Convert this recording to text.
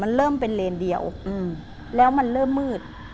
มันเริ่มเป็นเลนเดียวแล้วมันเริ่มมืด